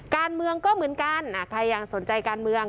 การเมืองก็เหมือนกันใครยังสนใจการเมือง